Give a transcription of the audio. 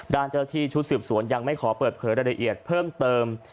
เจ้าที่ชุดสืบสวนยังไม่ขอเปิดเผยรายละเอียดเพิ่มเติม